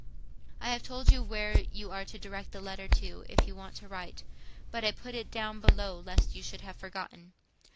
"I have told you where you are to direct a letter to, if you want to write, but I put it down below lest you should have forgotten.